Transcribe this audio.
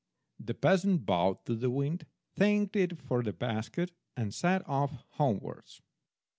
The peasant bowed to the Wind, thanked it for the basket, and set off homewards.